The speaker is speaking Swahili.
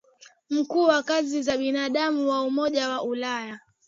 Mkuu wa haki za binadamu wa Umoja wa Ulaya